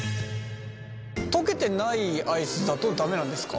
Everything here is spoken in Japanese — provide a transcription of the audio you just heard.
溶けてないアイスだと駄目なんですか？